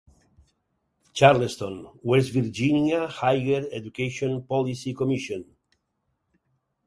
"Charleston: West Virginia Higher Education Policy Commission".